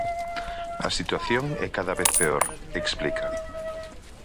"A situación é cada vez peor", explica.